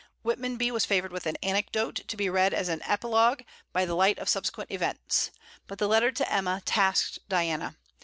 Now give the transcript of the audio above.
Whitmonby was favoured with an anecdote, to be read as an apologue by the light of subsequent events. But the letter to Emma tasked Diana.